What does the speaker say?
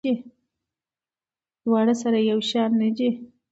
دواړه سره یو شان نه دي.